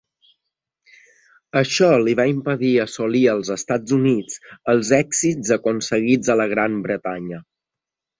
Això li va impedir assolir als Estats Units els èxits aconseguits a la Gran Bretanya.